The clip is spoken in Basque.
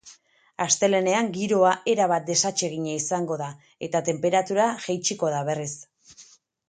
Astelehenean giroa erabat desatsegina izango da eta tenperatura jaitsiko da berriz.